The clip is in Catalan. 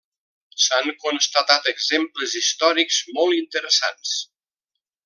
S'han constatat exemples històrics molt interessants.